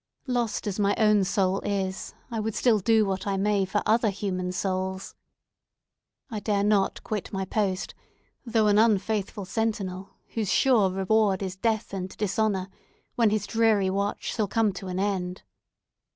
Lost as my own soul is, I would still do what I may for other human souls! I dare not quit my post, though an unfaithful sentinel, whose sure reward is death and dishonour, when his dreary watch shall come to an end!"